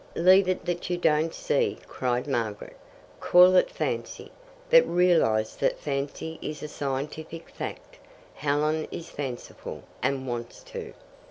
"Leave it that you don't see," cried Margaret. "Call it fancy. But realize that fancy is a scientific fact. Helen is fanciful, and wants to."